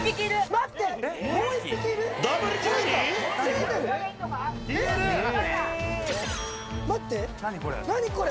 待って何これ？